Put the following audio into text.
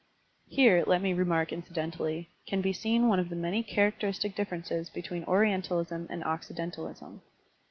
Here, let me remark incidentally, can be seen one of the many characteristic differences between Orientalism and Occidentalism.